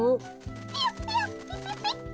ピヨピヨピピピ。